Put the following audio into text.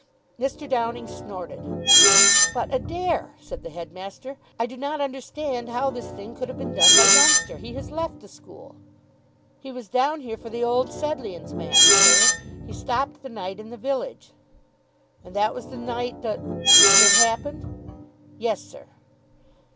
Mr. Downing snorted. "But Adair," said the headmaster, "I do not understand how this thing could have been done by Dunster. He has left the school." "He was down here for the Old Sedleighans' match, sir. He stopped the night in the village." "And that was the night the it happened?" "Yes, sir."